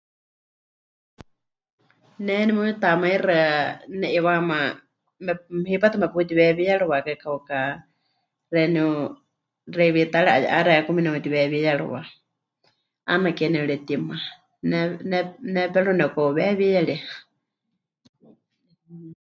Ne nemuyutamaixɨa ne'iwaáma mep... hipátɨ meputiweewiyarɨwakai, kauka xeeníu xeiwiitaari 'aye'axekaku meneutiweewiyarɨwa, 'aana ke nepɨretimá. Ne, ne, ne pero nepɨka'uweewiyarie.